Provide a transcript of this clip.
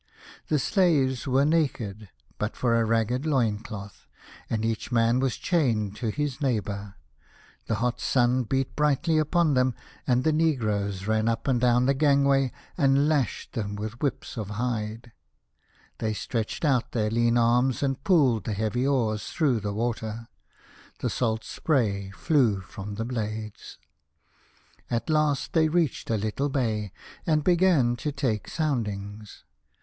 The slaves were naked, but for a ragged loincloth, and each man was chained to his neighbour. The hot sun beat brightly upon them, and the negroes ran up and down the gangway and lashed them with whips of hide. They stretched out their lean arms and pulled 1 1 A House of Pomegranates. the heavy oars through the water. The salt spray flew from the blades. At last they reached a little bay, and began to take soundings.